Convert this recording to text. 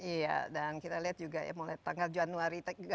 iya dan kita lihat juga ya mulai tanggal januari